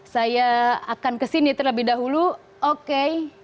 saya akan ke sini terlebih dahulu oke